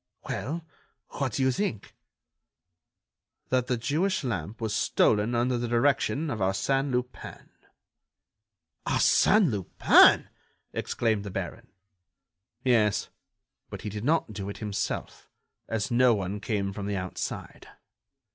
"Well, what do you think?" "That the Jewish lamp was stolen under the direction of Arsène Lupin." "Arsène Lupin!" exclaimed the baron. "Yes, but he did not do it himself, as no one came from the outside.